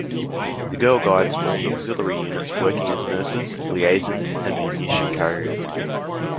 The Girl Guides formed auxiliary units working as nurses, liaisons and munition carriers.